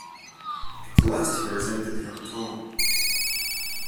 At last he resented her tone.